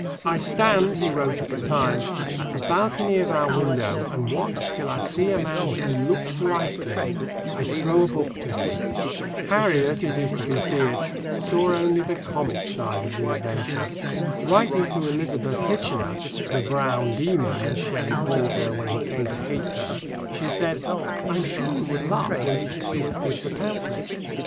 "I stand," he wrote at the time, "at the balcony of our window, and watch till I see a man who looks likely; I throw a book to him." Harriet, it is to be feared, saw only the comic side of the adventure. Writing to Elizabeth Hitchener "the Brown Demon," as Shelley called her when he came to hate her she said: I'm sure you would laugh were you to see us give the pamphlets.